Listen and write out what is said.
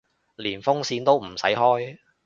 連風扇都唔使開